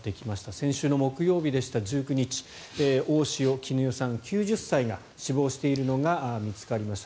先週木曜日でした、１９日大塩衣與さん、９０歳が死亡しているのが見つかりました。